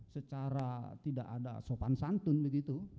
secara tidak ada sopan santun begitu